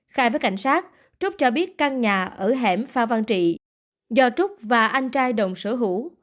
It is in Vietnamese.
khai với cảnh sát trúc cho biết căn nhà ở hẻm pha văn trị do trúc và anh trai đồng sở hữu